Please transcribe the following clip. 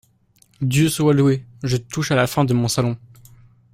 Dieu soit loué ! je touche à la fin de mon Salon.